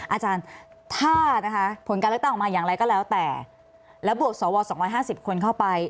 อาจารย์ถ้านะคะผลการเลือกตั้งออกมาอย่างไรก็แล้วแต่แล้วบวกสว๒๕๐คนเข้าไป